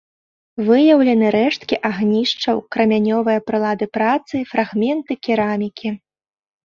Выяўлены рэшткі агнішчаў, крамянёвыя прылады працы, фрагменты керамікі.